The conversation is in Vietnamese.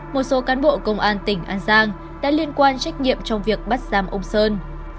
một số cán bộ công an tỉnh an giang đã liên quan trách nhiệm trong việc bắt giam ông sơn